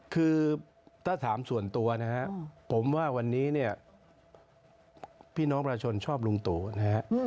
คือถ้าถามส่วนตัวนะฮะผมว่าวันนี้เนี่ยพี่น้องประชาชนชอบลุงตู่นะฮะ